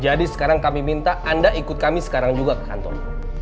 jadi sekarang kami minta anda ikut kami sekarang juga ke kantor